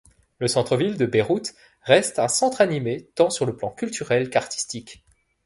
Le centre-ville de Beyrouth reste un centre animé, tant sur le plan culturel qu'artistique.